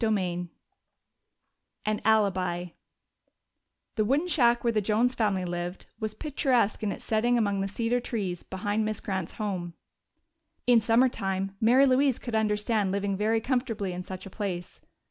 CHAPTER XV An Alibi The wooden shack where the Jones family lived was picturesque in its setting among the cedar trees behind Miss Grant's home. In summer time Mary Louise could understand living very comfortably in such a place.